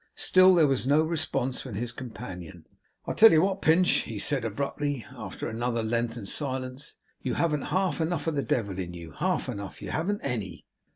Still there was no response from his companion. 'I'll tell you what, Pinch!' he said abruptly, after another lengthened silence 'You haven't half enough of the devil in you. Half enough! You haven't any.